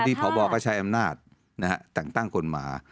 ดีประวัติบอลก็ใช้อำนาจแต่งตั้งอาการกลหมา